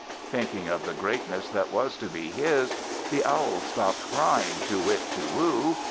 Thinking of the greatness that was to be his, the Owl stopped crying Too whit! too woo!